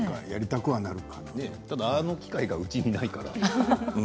ただ、あの機械がうちにないから。